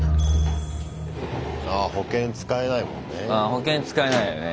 保険使えないよね。